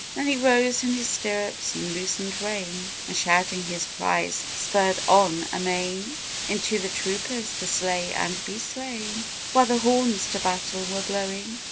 Then he rose in his stirrups and loosened rein, And shouting his cry spurred on amain Into the troopers to slay and be slain, While the horns to battle were blowing.